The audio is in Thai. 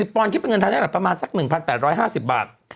ปอนคิดเป็นเงินไทยได้แบบประมาณสัก๑๘๕๐บาท